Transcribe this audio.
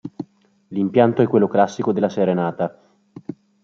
L'impianto è quello classico della serenata.